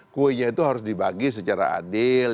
kuenya itu harus dibagi secara adil